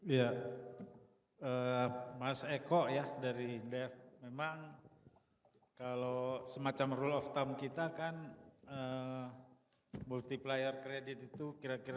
iya mas eko ya dari dev memang kalau semacam rule of thumb kita kan multiplier kredit itu kira kira dua lima ya bu ya